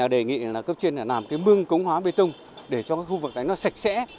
đề nghị là cấp trên là làm cái mương cống hóa bê tông để cho khu vực này nó sạch sẽ